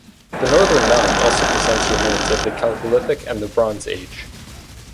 The northern mound also presents remains of the Chalcolithic and the Bronze Age.